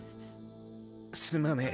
すまねェ